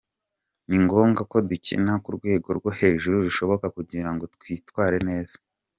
Ni ngombwa ko dukina ku rwego rwo hejuru rushoboka kugira ngo twitware neza.